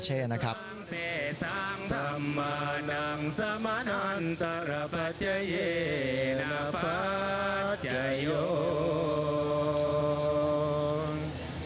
สังเทสังธรรมนังสมนันตรปัชเยนปัชโยน